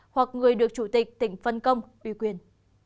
hoặc người được chủ tịch tỉnh phân công ủy quyền